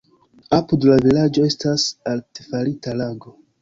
Apud la vilaĝo estas artefarita lago.